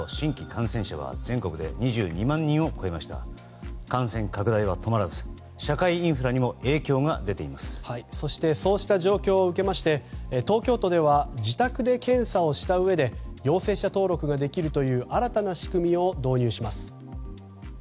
感染拡大は止まらず社会インフラにもそうした状況を受けまして東京都では自宅で検査をしたうえで陽性者登録ができるという新たな仕組みを導入します。